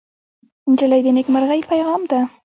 نجلۍ د نیکمرغۍ پېغام ده.